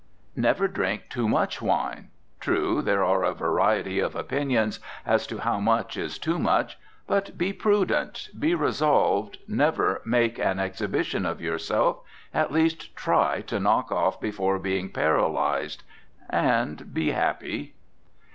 Never drink too much wine. True, there are a variety of opinions as to how much is too much; but be prudent, be resolved, never make an exhibition of yourself, at least try to knock off before being paralyzed, and be happy.